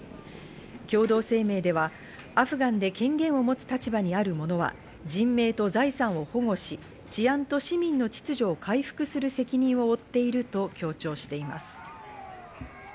共同声明ではアフガンで権限を持つ立場にあるものは人名と財産を保護し治安と市民の秩序を回復する責任を負っていると強調しています。